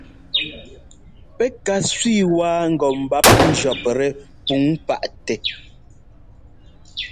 Pɛ́ ka sẅi waa ŋgɔ mbǎp njʉ̈ptɛ́ pǔŋ paʼtɛ́.